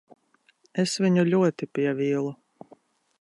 Es viņu ļoti pievīlu.